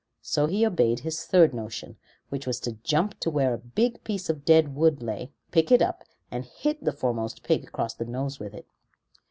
So he obeyed his third notion, which was to jump to where a big piece of dead wood lay, pick it up, and hit the foremost pig across the nose with it.